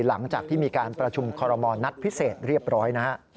หลังจากที่มีการประชุมคอรมณ์นัดพิเศษเรียบร้อยนะฮะ